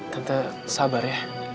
tante sabar ya